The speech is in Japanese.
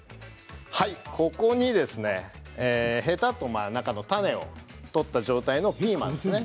ここにへたと中の種を取った状態のピーマンですね